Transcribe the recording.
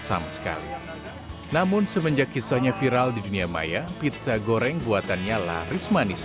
sama sekali namun semenjak kisahnya viral di dunia maya pizza goreng buatannya laris manis